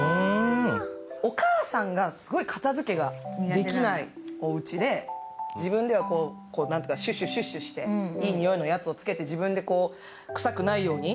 お母さんがすごい片付けができないおうちで自分ではシュッシュシュッシュして、いい匂いのやつをつけて自分で臭くないように。